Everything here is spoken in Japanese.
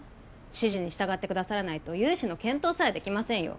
指示に従ってくださらないと融資の検討さえできませんよ